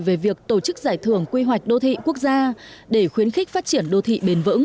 về việc tổ chức giải thưởng quy hoạch đô thị quốc gia để khuyến khích phát triển đô thị bền vững